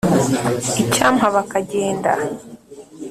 icyampa bakagenda,